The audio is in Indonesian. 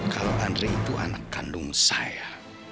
kalau andre itu anak kandung saya